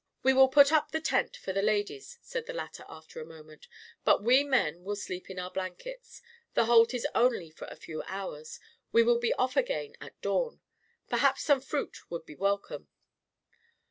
" We will put up the tent for the ladies," said the latter, after a moment, " but we men will sleep in our blankets. The halt is only for a few hours — we will be off again at dawn. Perhaps some fruit would be welcome.'